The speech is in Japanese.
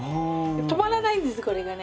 止まらないんですこれがね。